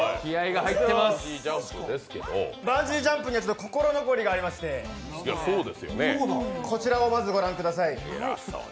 バンジージャンプには心残りがありまして、こちらをまずご覧ください。